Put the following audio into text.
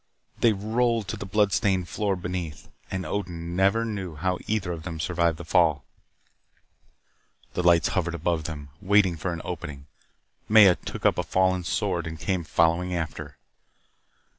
They rolled to the blood stained floor beneath. And Odin never knew how either of them survived the fall. The lights hovered above them, waiting for an opening. Maya took up a fallen sword and came following after.